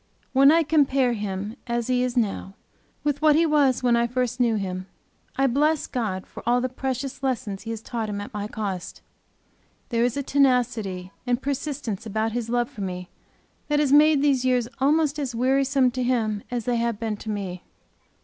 When I compare him, as he is now, with what he was when I first knew him I bless God for all the precious lessons He has taught him at my cost. There, is a tenacity and persistence about his love for me that has made these years almost as wearisome to him as they have been to me.